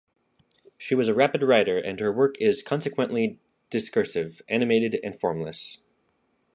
She was a rapid writer, and her work is consequently discursive, animated and formless.